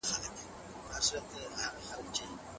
کابل ډیر اوږد تاریخ لري